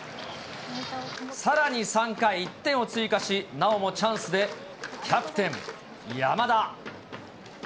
さらに３回、１点を追加し、なおもチャンスでキャプテン、山田。